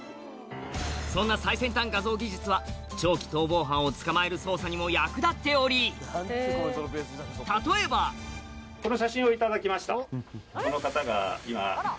そんな最先端画像技術は長期逃亡犯を捕まえる捜査にも役立っており例えばこの方が今。